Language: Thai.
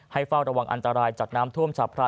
เฝ้าระวังอันตรายจากน้ำท่วมฉับพลัน